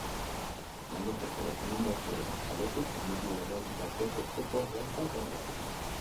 Maila sozioekonomikoaren aldetik, familiaren batez besteko errenta ona da.